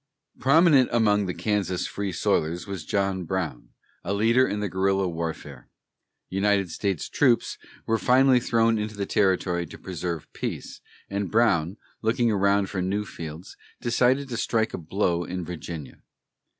Prominent among the Kansas Free Soilers was John Brown, a leader in the guerrilla warfare. United States troops were finally thrown into the territory to preserve peace, and Brown, looking around for new fields, decided to strike a blow in Virginia.